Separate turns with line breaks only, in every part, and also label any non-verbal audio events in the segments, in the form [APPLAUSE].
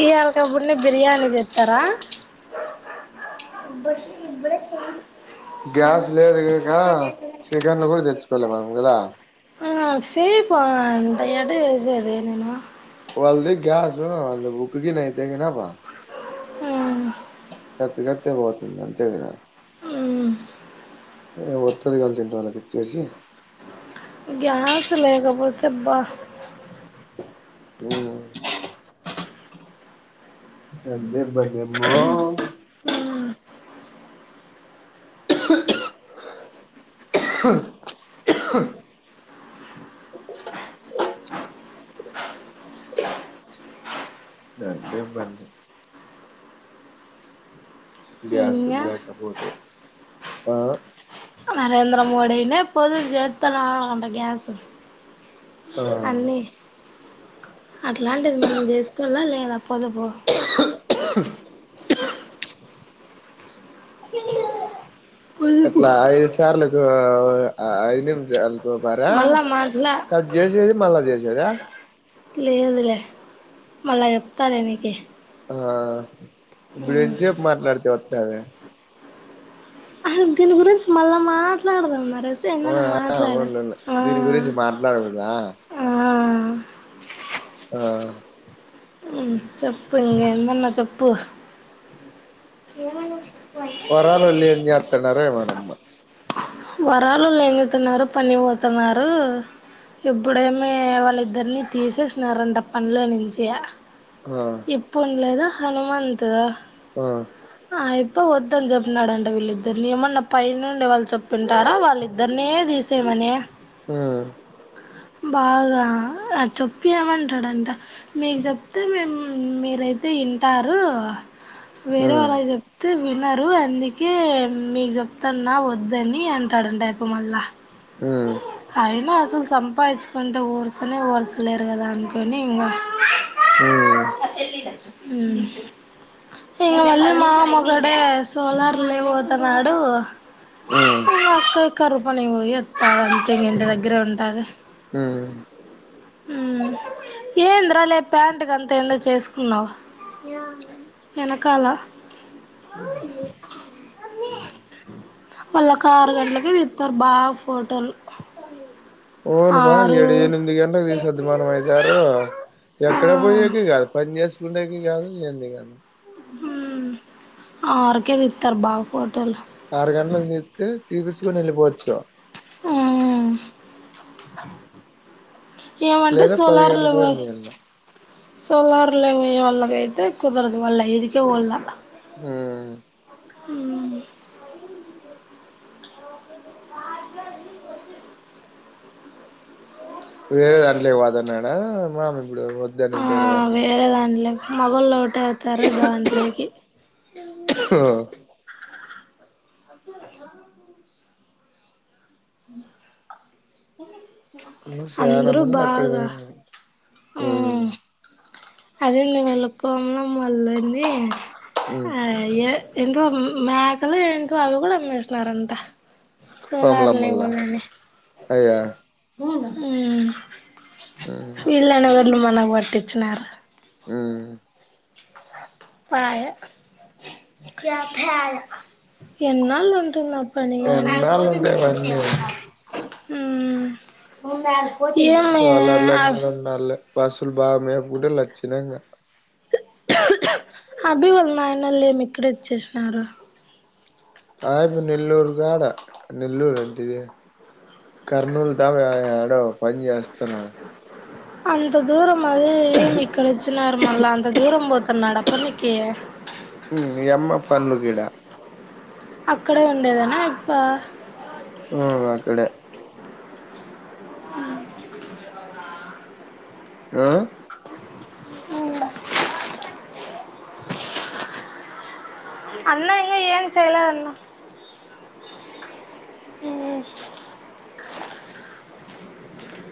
ఈ ఆలకబుడినే బిర్యానీ జేత్తరా.
గ్యాస్ లేదు గనక చికెన్లు కూడా తెచ్చుకోలే మనం కదా
ఆ చేయ్ పాంటయ్యాదు జదేనేను
వాళ్ళది గ అస వాళ్ళ బుక్కియి నా బా
అ
కత్ కతే పోతుంది అంతేదా
ఉమ్,
ఒర్తది కాల చెింటవాలకి
గ్యాస్ త్ లేకపోతే బాస్
ఉమ్ అదే బధే మ్మో
అ
అదే బన్న గ్యాస్ ఉ
ఇంగా
లేకపోతే ఆ
నరేంద్ర మోడినే పొదు జతునా అంట గ్యాసు
ఆ
అన్నీ అట్లాంటిది మనం చేసుకోలా లేదా పొదుపు పొదుపు
ఎట్లా ఐదు సార్లులకు ఆ అఐ రపారా
మళ్ళా మాట్లా
కట్ చేసేది మళ్ళా చేసేదా
లేదులే మళ్ళా చెప్తాలే నీకు
ఆ ఇప్పుడు ఎంతసేపు. మాట్లాడుతావ్ అక్క అదే.
అ దీని గురించి మళ్ళా మాట్లాడదాం, బస్ ఎందున్న
అవునా
మాట్లాడ.
అవునులే దీని గురించి మాట్లాడుదును.
ఆ
ఆ
హు చెప్పు ఇంగా ఏమున్నా చెప్పు. ఏ మన
వరాలోలు ఏం చేస్తున్నారు. ఏమో నమ్మ.
వరాలోలు ఏమీ చేసుతున్నారు. పని పోతున్నారు ఎప్పుడేమీ. వాళ్ళిద్దరిని తీసేసినారంట. పనిలో నుంచి,
ఆ
ఎప్పు లేదా హనుమంతు.
ఆ
ఆ ఇప్పు వద్దు. వద్దని చెప్పినాడంటడి వీళ్ళిద్దరిని. ఏమన్నా పై నుండి వాళ్ళు చెప్పింటారా. వాళ్ళిద్దరినీ తీసేమని,
ఆ
బాగా చెప్పి ఏమంటాడంట. మీకు చెప్తే మేము మీరైతే ఇంటారు,
ఉమ్
వినరు అందుకే మీకు చెప్తాన్నా. వద్దని అంటాడంట ఇపు మల్ల, అయినా అసలు సంపాదించుకుంటే. ఒరిస్సానే ఓర్సలేరు కదా అనుకొని ఇంగా,
ఉమ్ ఉమ్
ఊ ఇంగా మళ్ళీ మా మొగాడే. సోలార్ లే పోతున్నాడు.
ఉమ్
ఇంగా అక్క కరువు పని పోయి వస్తారు అంతే. ఇంగా ఇంటి దగ్గరే ఉంటుంది,
ఊ
ఏంద్రా లే ప్యాంటుకి అంతా. ఏందో చేసుకున్నావు, వెనకాల వాళ్లకి ఆరు గంటలకి తీస్తారు. బాగా ఫోటోలు,
ఓలమ్మ
ఆరు
ఏడు ఎనిమిది గంటకి తీసేది. మన అయ్యగారు. ఎక్కడ పోయకి కాదు పని చేసు, ఉండే కి కాదు ఎంది కాను.
హు ఆరుకె తీతారు బాగా ఫోటోలు,
ఆరు గంటలు తీతే తీపిచ్చుకొని వెళ్ళిపోవచ్చు,
మ్మ్ ఏమంటే
లేదా పది గంటల
సోలార్లు పో
పోయింది వెళ్ళ
సోలార్లు. పోయే వాళ్ళంతా, అయితే కుదరదు వల్ల ఇదికే పోవాలా,
ఆ
ఊ
వేరే దాంట్ల వాదన్నాడా, మామూలుది,
ఆ వేరే దాంట్లోకి మగళ్ళ ఒకట వతారు దాంట్లోకి
దాంట్లో
అ
ను చాలా
అందరూ
మంది అక్కడ
బాగా
పోయింది అ
అదేం వెళక్కమడం మళ్ళంది
ఉమ్
ఆ ఏ మేకలు ఏకి అవి కూడా అమ్మేసినారంట
మలా
సోలార్లే
మల్లా అయ్య
అవునా
ఉమ్
విళ్ళనగర్లు మనగ బర్తది విచ్చినన్నారు
ఆ
ఎన్నాళ్ ఉంటుంద ప
ఎన్నాళ్ళండి ఇవన్నీ
ఏమి
సోలార్లు అన్నీ రెండు నాలులు బస్సులు బాగా మేకుంటే లచ్చ చినంగా వ
అభి వాళ్ళ నాయన లేమిక్రి చేశారు
ఆ ఇప్పు నెల్లూరు కాడ నెల్లూరు అంటిది కర్నూలు దా వ ఏడో పని చేస్తున్నాడు
అంత దూరం మళ్ళీ ఏమిక్కడచ్చన్నారు మళ్ళఅంత దూరం పో కన్నాడప్ప నికె
ఎమ్మ పంలుగడా
అక్కడే ఉండేదనా ఇప్ప
ఆ అక్కడే
ఆ
ఆ
అన్నా ఇగ ఎం చేయలేదన్న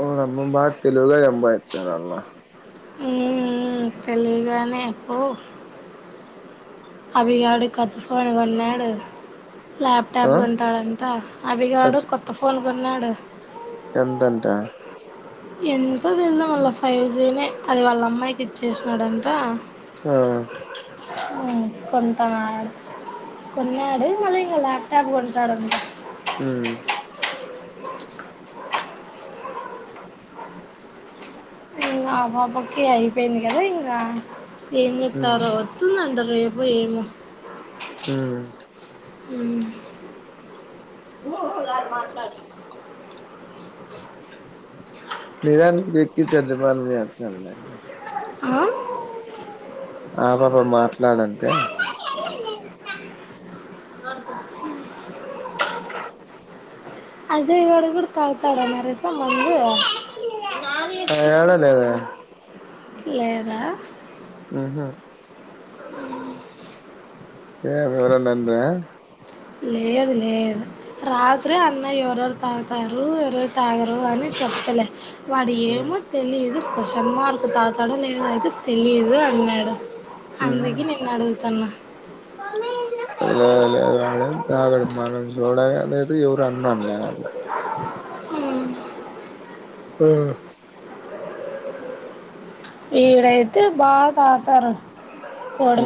ఓ నమ్ బా తెలుగుగా చెబయితే అన్న
ఊఉ తెలివిగానే అప్పు అవిగాడు కథఫ వెళ్ళాడు ల్యాప్టాబ్
ఆ
కొంటాడంట అవిగాడు
టచ్
కొత్త ఫోన్ కొన్నాడు
ఎంతంట
ఎంత తిందో మళ్ళా ఫైజినే అది వాళ్ళ అమ్మాయికి ఇచ్చేసినాడంట
ఆ
కొ ఆ కొన్నాడు మళ్ళీ ల్యాప్టాప్ కొంటాడంట
హ్మ్
ఇంగ ఆ పాపకి అయిపోయింది కదా ఇంగ ఏమ్
ఉమ్
చెప్తారో వత్తుదంట రేపు ఏము
హ్మ్
హ్మ్
గారు మాట్లాడు [UNINTELLIGIBLE]
ఆ
ఆ పాప మాట్లాడంటే
అజయ్ గాడు కూడ తాగతాడా నరేష మందు
యాడలేదే
లేదా
హ్మహు
హ్మ్
ఏ ఏవ్వరన్నా అండ్ర
లేదు లేదు రాత్రి అన్నయ ఎవరెవరు తాగతారు ఎవరెవరు తాగరు అని చెప్పలే వాడు
లేదు
ఏమో తెలీదు కోశన్మార్క్ తాగతాడో లేదో అయితే తెలీదు అన్నాడు అందుకే నిన్ను అడుగుతన్నా
లే లేదు వాడేం తాగడు మనం చూడగా లేదు ఎవరు అన్ను అనలే ఆ
ఇడయితే బాగా తాగతారు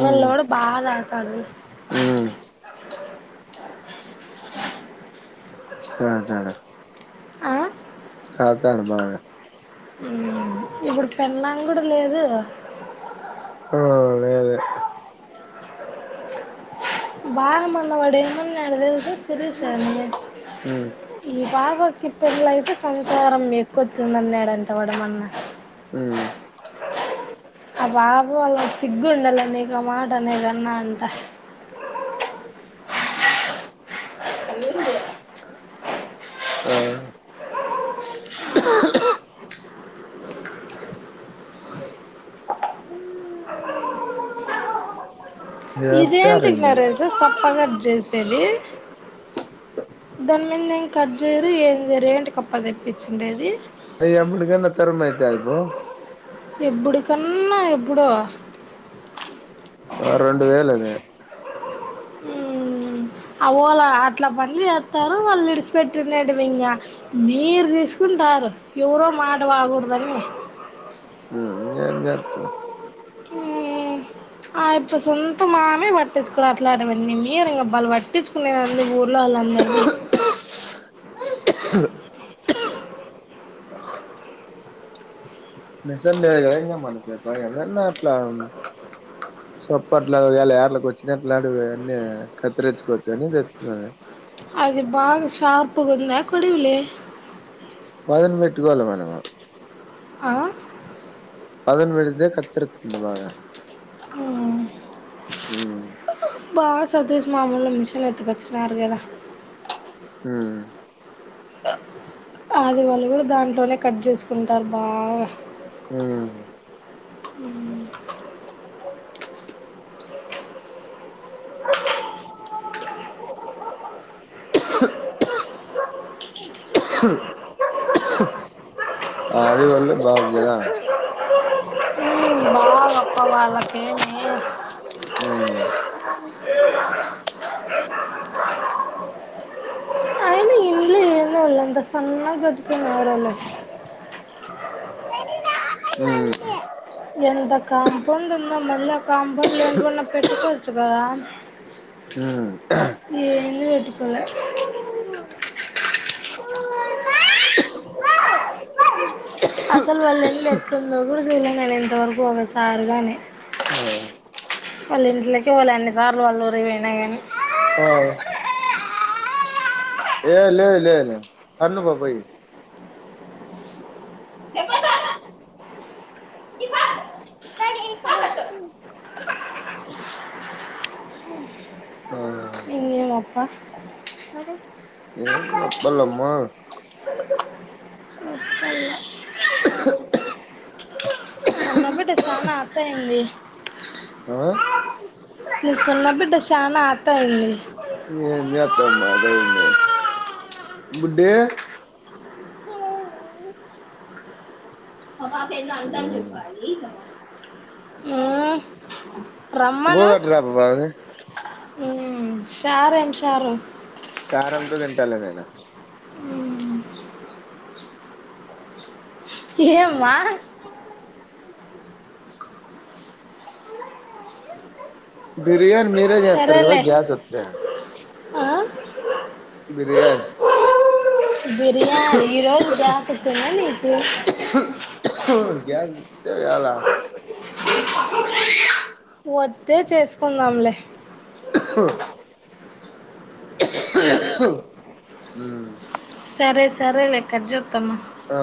ఉమ్
బాగా తా తడు
ఉమ్ తాగుతాడు
ఆ
తాగుతాడు బాగా
హ్మ్ ఇప్పుడు పెడ్లాంగుడు లేదు
హ్మ్ లేదు
బాగామల్ల వాడేమన్నాడు తెలుసా శిరీష ని
ఉమ్
ఈ పాపకి పెల్లయితే సంసారం ఎక్కుతుందన్నాడంట వాడు మన్న
ఉమ్
ఆ బాబు వాళ్ళ సిగ్గుండాలి నీకు ఆ మాటనేదన్నా అంట
ఆ
ఇదేంటికి
చెప్తారండి
నరేసు సప్పగా చేసేది దాని మీద ఏం కట్ చేయరు ఏం చేయరు ఏంటి కప్ప తెప్పిచ్చిండేది
అయ్య ఎబ్బటికన్నా తరమైతాయ్ పో
ఎబ్బుడికన్నా ఎబ్బుడో
ఆ రెండు వేలు అది
హ్మ్ అవోలా అట్లా పన్లు చేత్తారు వాళ్ళు నిడిచిపెట్టిండేటివి ఇంకా మీరు తీసుకుంటారు ఎవరో మాట వాకూడదని
ఏమ్జేత్తవ్
మ్మ్. ఆ ఇప్పుడు సొంతమామే పట్టించుకోడు అట్లాంటివన్నీ, మీరేయిగాభలే పట్టించుకునేదన్ని ఊర్లో వాళ్ళందరినీ
మిషన్ లేదు. కదా ఇంకా మనకు ఎట్లాగైనా నా ఇట్లాన్ సొపర్ట్లా వేళ [UNINTELLIGIBLE] వచ్చినట్లాంటివి, అవన్నీ కత్తిరిచ్చుకో సెన్డింగ్ చేత్తున్నావ్. గదా ప్చ్
అది బాగా షార్పుగా ఉందా. కొడివులే
పదన్ పెట్టుకోవాలి. మనము
ఆ
పదన్ పెడితే కత్తెర్ తింటే బాగా
హ్మ్
ఉమ్
బా సతీష్ మామూలుగా మిషన్ ఎత్తుకొచ్చినారు. కదా
హ్మ్
ఆది వాళ్ళు కూడా దాంట్లోనే కట్ చేసుకుంటారు. బాగా
ఉమ్ ఆది వాళ్ళు బాగుంది. గదా
వావ్ అప్పా వాళ్ళకేమే
ఉమ్
అయినా ఇల్లు ఏందో వాళ్లు అంతా సన్నగా గట్టుకున్నారు. వాళ్ళు
ఉమ్
ఏంత కాంపౌండ్, ఉందో మళ్ళీ ఆ కాంపౌండ్ లో ఎంటివన్న పెట్టుకోవచ్చు గదాం.
ఉమ్
ఏంది పెట్టుకోలే అసలు వాళ్ళ ఇళ్ళు ఎట్లుందో కూడ చూడ్లే నేను ఇంతవరకు ఒకసారి గాని,
ఆ
వాళ్ళ ఇంట్లకే పోలె అన్నిసార్లు వాళ్ళ ఊరికి పోయినా గానీ
ఆ ఏ లేదు లే లే తన్నుపో పోయి
పెట్టకు
ఆ
ఇంగేందప్ప
అప్పలమ్మా
చెప్పాలి. ఇగ సన్న బిడ్డ శాన అత్తి అయింది.
ఆ
నీ సన్న బిడ్డ శాన అత్తి అయ్యింది.
ఏం చేత్తం మరీ బుడ్డీ ఆ [UNINTELLIGIBLE] అంత చెప్పాలి. ఇక
మ్మ్
ఇంకోది అట్టు తేపో మరి.
హ్మ్ షారేంషారు
కారంతో తింటాలే నేను
ఏం మ్మా
బిర్యానీ మీరే జేత్తరు కదా
సరేలే
గ్యాస్ వత్తే
ఆ,
బిర్యానీ
బిర్యానీ ఈరోజు గ్యాస్ ఎక్కువైందా. నీకు
గ్యాజ్ చేయాల
వత్తే చేసుకుందాంలే.
ఉమ్
సరే, సరేలే కట్జేత్తన్న
ఆ